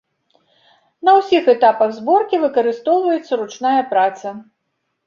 На ўсіх этапах зборкі выкарыстоўваецца ручная праца.